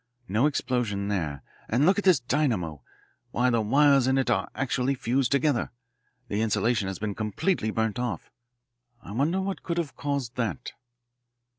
No explosion there. And look at this dynamo. Why, the wires in it are actually fused together. The insulation has been completely burned off. I wonder what could have caused that?"